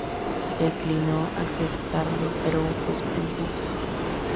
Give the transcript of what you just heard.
Declinó aceptarlo, pero buscó su consejo.